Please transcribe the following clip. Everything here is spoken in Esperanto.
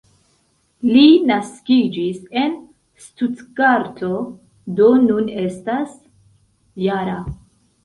Li naskiĝis en Stutgarto, do nun estas -jara.